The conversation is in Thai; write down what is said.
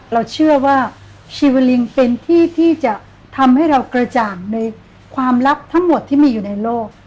เราเชื่อว่าชีวลิงเป็นที่ที่จะทำให้เรากระจ่างในความลับทั้งหมดที่มีอยู่ในโลก